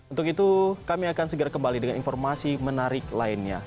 untuk itu kami akan segera kembali dengan informasi menarik lainnya